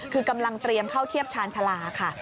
คือกำลังเตรียมเข้าเทียบชาญชาลาค่ะ